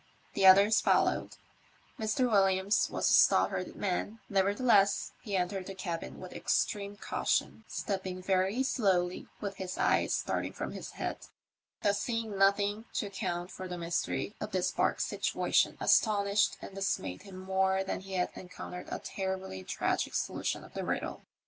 The others followed. Mr. Williams was a stout hearted man, nevertheless he entered the cabin with extreme caution, stepping very slowly, with his eyes starting from his head. The seeing nothing to account for the mystery of this barque's situation astonished and dismayed him more than had he encountered a terribly tragic solution of the riddle.